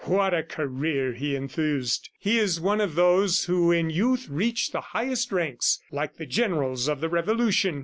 "What a career!" he enthused. "He is one of those who in youth reach the highest ranks, like the Generals of the Revolution.